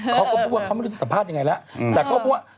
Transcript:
เขาก็พูดว่าเขาไม่รู้จะสัมภาษณ์ยังไงแล้วแต่เขาพูดว่า